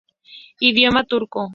Idioma turco